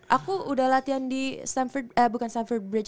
aku udah latihan di stamford eh bukan stamford bridge